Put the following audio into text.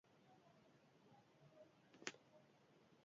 Lehen aldiz, militanteek aukeratuko dute idazkari nagusia.